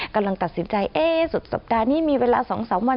กำลังตัดสินใจเอ๊ะสุดสัปดาห์นี้มีเวลา๒๓วัน